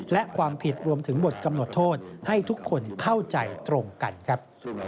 และความผิดรวมถึงบทกำหนดโทษให้ทุกคนเข้าใจตรงกันครับ